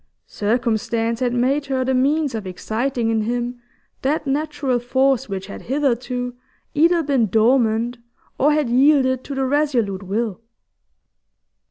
Circumstance had made her the means of exciting in him that natural force which had hitherto either been dormant or had yielded to the resolute will.